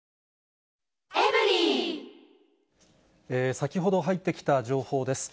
先ほど入ってきた情報です。